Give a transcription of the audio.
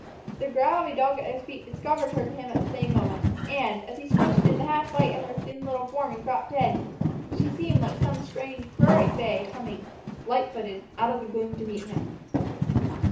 The growl of a dog at his feet discovered her to him at the same moment, and, as he squinted in the half light at her thin little form and cropped head, she seemed like some strange prairie fay coming, light footed, out of the gloom to meet him.